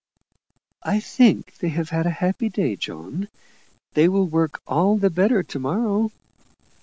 "I think they have had a happy day, John. They will work all the better to morrow."